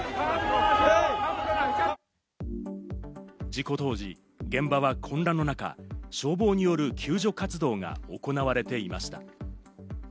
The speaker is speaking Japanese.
事故当時、現場は混乱の中、消防による救助活動が行われていました。